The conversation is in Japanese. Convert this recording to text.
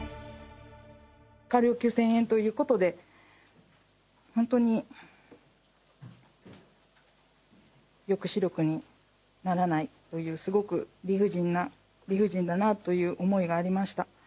科料９０００円ということで、本当に抑止力にならないという、すごく理不尽だなという思いがありました。